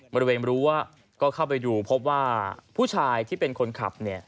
บริเวณรั้วก็เข้าไปดูพบว่าผู้ชายที่เป็นคนขับเนี่ย